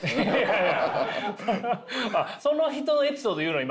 その人のエピソード言うの？